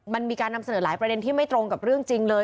มันมีการนำเสนอหลายประเด็นที่ไม่ตรงกับเรื่องจริงเลย